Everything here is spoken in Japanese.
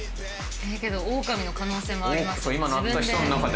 けどオオカミの可能性もありますよ。